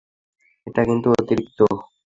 এটা কিন্তু অতিরিক্ত!